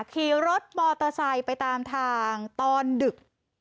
ขี่รถมอเตอร์ไซค์ไปตามทางตอนดึก